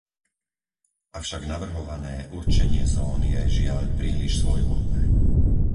Avšak navrhované určenie zón je, žiaľ, príliš svojvoľné.